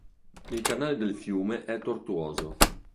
Il canale del fiume è tortuoso.